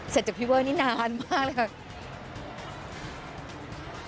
เศรษฐ์จากพี่เว้อนี่นานมากเลยค่ะ